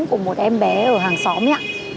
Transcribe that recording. của một em bé ở hàng xóm nhá